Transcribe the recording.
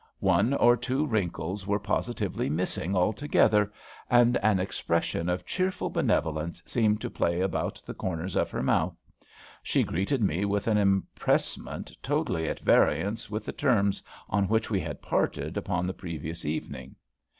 One or two wrinkles were positively missing altogether, and an expression of cheerful benevolence seemed to play about the corners of her mouth. She greeted me with an empressement totally at variance with the terms on which we had parted upon the previous evening.